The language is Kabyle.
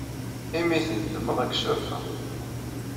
Imi ay tnedmeḍ, ad ak-ssurfeɣ.